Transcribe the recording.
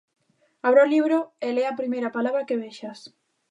Abre o libro e le a primeira palabra que vexas.